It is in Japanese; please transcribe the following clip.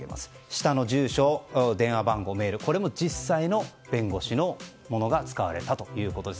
下の住所、電話番号、メールも実際に弁護士のものが使われたということです。